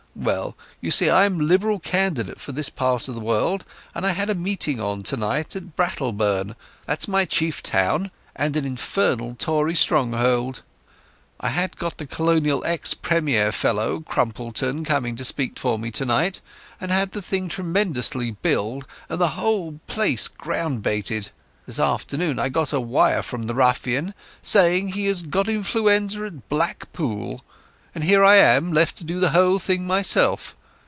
Well, you see I'm Liberal Candidate for this part of the world, and I had a meeting on tonight at Brattleburn—that's my chief town, and an infernal Tory stronghold. I had got the Colonial ex Premier fellow, Crumpleton, coming to speak for me tonight, and had the thing tremendously billed and the whole place ground baited. This afternoon I had a wire from the ruffian saying he had got influenza at Blackpool, and here am I left to do the whole thing myself.